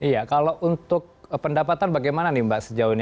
iya kalau untuk pendapatan bagaimana nih mbak sejauh ini